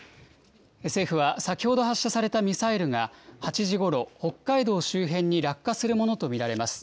政府は先ほど発射されたミサイルが、８時ごろ、北海道周辺に落下するものと見られます。